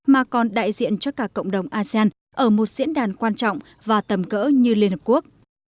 mà còn đại diện cho cả cộng đồng asean ở một diễn đàn quan trọng và tầm cỡ như liên hợp quốc